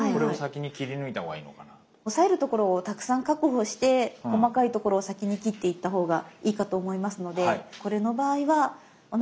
押さえるところをたくさん確保して細かいところを先に切っていったほうがいいかと思いますのでこれの場合はおなかの波線っていうか。